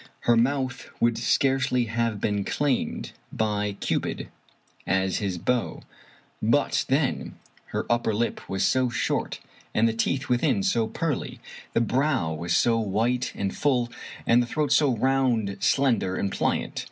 Her mouth would scarcely have been claimed 26 Fitzjames O'Brien by Cupid as his bow; but then, her upper lip was so short, and the teeth within so pearly, the brow was so white and full, and the throat so round, slender, and pliant!